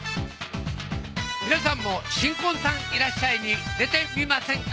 皆さんも新婚さんいらっしゃい！に出てみませんか？